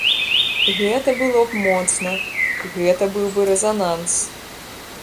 Гэта было б моцна, гэта быў бы рэзананс!